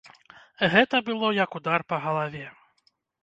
Гэта было як удар па галаве.